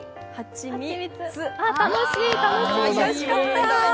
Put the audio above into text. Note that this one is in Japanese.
楽しい、楽しい！